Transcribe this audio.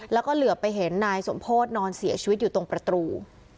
แล้วก็เหลือไปเห็นนายสมโพธินอนเสียชีวิตอยู่ตรงประตู